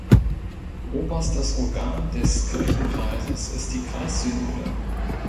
Oberstes Organ des Kirchenkreises ist die Kreissynode.